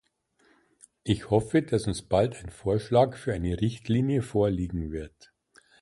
Ich hoffe, dass uns bald ein Vorschlag für eine Richtlinie vorliegen wird.